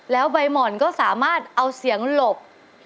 แล้วใบหม่อนก็สามารถเอาเสียงหลบ